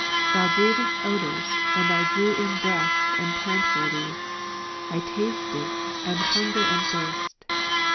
Thou breathedst odours, and I dreiv in breath and pant for Thee. I tasted, and hunger and thirst.